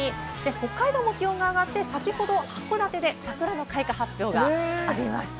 北海道も気温が上がって、先ほどは函館で桜の開花の発表がありました。